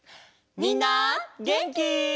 みんなげんき？